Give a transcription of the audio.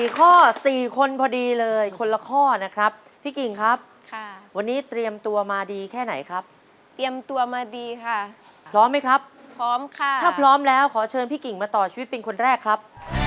๔คนพอดีเลยคนละข้อนะครับพี่กิ่งครับวันนี้เตรียมตัวมาดีแค่ไหนครับเตรียมตัวมาดีค่ะพร้อมไหมครับพร้อมค่ะถ้าพร้อมแล้วขอเชิญพี่กิ่งมาต่อชีวิตเป็นคนแรกครับ